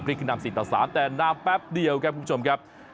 พลิกขึ้นด้าน๔ต่อ๓แต่น้ำแป๊บเดียวครับคุณผู้ชมครับ